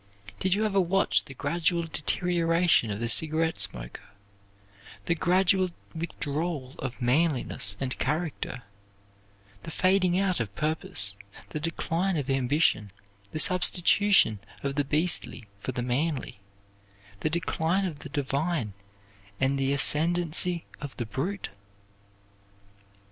Did you ever watch the gradual deterioration of the cigarette smoker, the gradual withdrawal of manliness and character, the fading out of purpose, the decline of ambition; the substitution of the beastly for the manly, the decline of the divine and the ascendency of the brute?